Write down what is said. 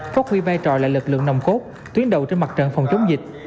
phát huy vai trò là lực lượng nồng cốt tuyến đầu trên mặt trận phòng chống dịch